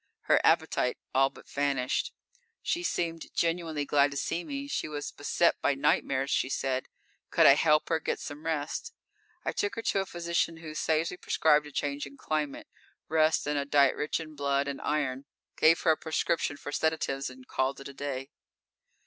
Her appetite all but vanished. She seemed genuinely glad to see me. She was beset by nightmares, she said. Could I help her get some rest? I took her to a physician who sagely prescribed a change in climate, rest and a diet rich in blood and iron, gave her a prescription for sedatives, and called it a day.